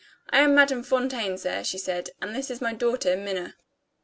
"I am Madame Fontaine, sir," she said. "And this is my daughter, Minna."